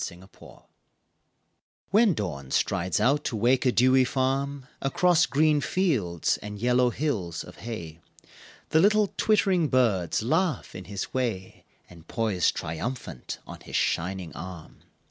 Alarm Clocks When Dawn strides out to wake a dewy farm Across green fields and yellow hills of hay The little twittering birds laugh in his way And poise triumphant on his shining arm.